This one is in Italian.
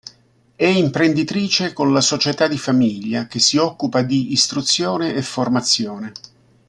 È imprenditrice con la società di famiglia che si occupa di istruzione e formazione.